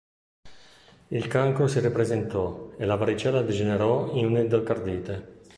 Il cancro si ripresentò e la varicella degenerò in un'endocardite.